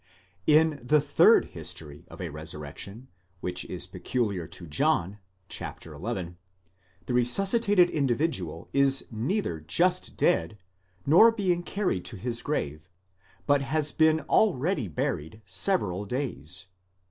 *§ In the third history of a resurrection, which is peculiar to John (chap. xi.), the resuscitated individual is neither just dead nor being carried to his grave, but has been already buried several days.